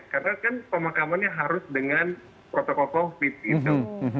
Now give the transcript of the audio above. karena kan pemakamannya harus dengan protokol covid gitu